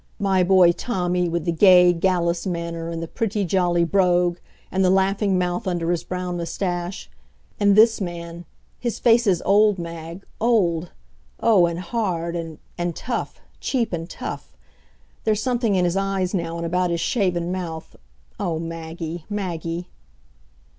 My boy Tommy, with the gay, gallus manner, and the pretty, jolly brogue, and the laughing mouth under his brown mustache. And this man his face is old, Mag, old oh! and hard and and tough, cheap and tough. There's something in his eyes now and about his shaven mouth oh, Maggie, Maggie!